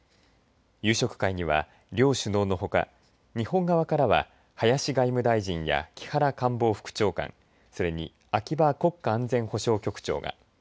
夕食会には両首脳のほか日本側からは、林外務大臣や木原官房副長官それに秋葉国家安全保障局長が。